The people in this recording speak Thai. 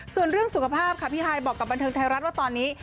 ส่วนเรื่องสุขภาพค่ะพี่ฮายบอกกับบันเทิงไทยรัฐว่าตอนนี้